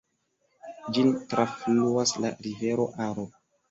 Ĝin trafluas la rivero Aro.